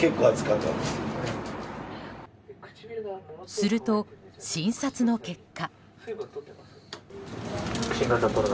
すると、診察の結果。